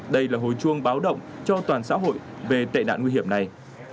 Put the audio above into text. đây là hồi chuông báo động cho toàn xã hội về tệ nạn nguy hiểm này